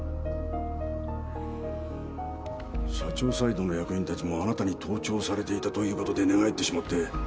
社長サイドの役員たちもあなたに盗聴されていたということで寝返ってしまって。